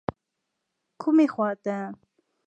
کومې خواته.